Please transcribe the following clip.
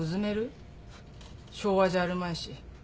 昭和じゃあるまいし。